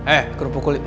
eh kerupuk kulit